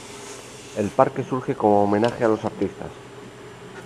El parque surge como homenaje a los artistas.